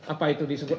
apa itu disebut